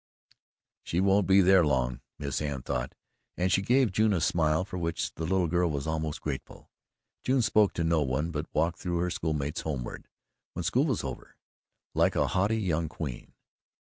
"She won't be there long," Miss Anne thought, and she gave June a smile for which the little girl was almost grateful. June spoke to no one, but walked through her schoolmates homeward, when school was over, like a haughty young queen.